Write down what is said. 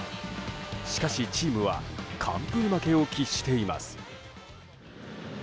しかし、チームは完封負けを喫しています。